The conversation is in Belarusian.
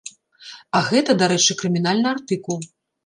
А гэта, дарэчы, крымінальны артыкул.